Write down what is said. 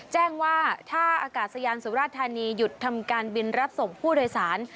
แจ้งว่าท่าอากาศยานสุราธานีหยุดทำการบินรับส่งผู้โดยสาร